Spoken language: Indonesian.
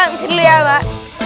bisa dulu ya pak